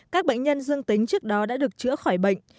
các bệnh nhân dương tính trước đó đã được chữa khỏi bệnh